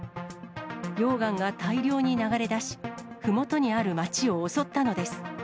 溶岩が大量に流れ出し、ふもとにある街を襲ったのです。